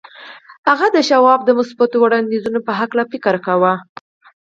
هغه د شواب د مثبتو وړانديزونو په هکله يې فکر کاوه.